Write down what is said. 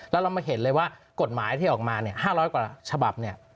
แล้วเรามาเห็นเลยว่ากฎหมายที่ออกมา๕๐๐กว่าฉบับ